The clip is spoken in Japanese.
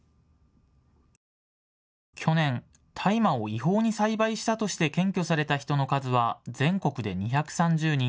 去年、大麻を違法に栽培したとして検挙された人の数は全国で２３０人。